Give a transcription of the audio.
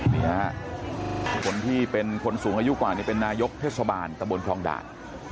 นี่ฮะคนที่เป็นคนสูงอายุกว่านี่เป็นนายกเทศบาลตะบนคลองด่าน